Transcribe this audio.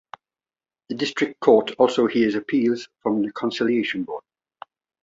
The district court also hears appeals from the conciliation board.